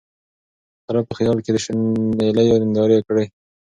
خره په خیال کی د شنېلیو نندارې کړې